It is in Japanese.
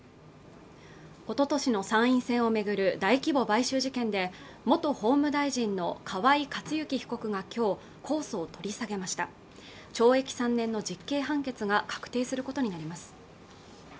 おととしの参院選をめぐる大規模買収事件で元法務大臣の河井克行被告がきょう控訴を取り下げました懲役３年の実刑判決が確定することになります